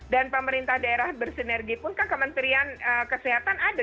dan pemerintah daerah bersinergi pun kan kementerian kesehatan ada